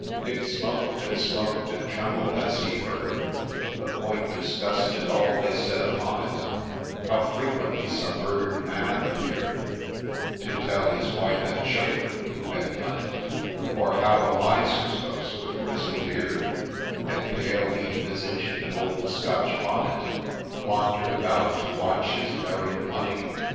Nick smoked, and smoked, and trembled as he heard The point discuss'd, and all they said upon it, How, frequently, some murder'd man appear'd, To tell his wife and children who had done it ; Or how a Miser's ghost, with grisly beard, And pale lean visage, in an old Scotch bonnet, Wander'd about, to watch his buried money